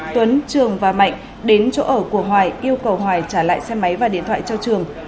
tuấn trường và mạnh đến chỗ ở của hoài yêu cầu hoài trả lại xe máy và điện thoại cho trường